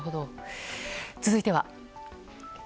続いては。